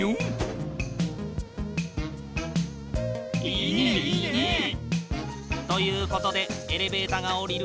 いいねいいね！ということでエレベータが下りるシーケンス制御。